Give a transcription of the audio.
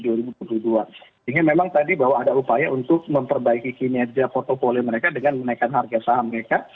sehingga memang tadi bahwa ada upaya untuk memperbaiki kinerja portfolio mereka dengan menaikkan harga saham mereka